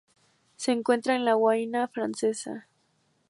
Se encuentra en la Guayana francesa.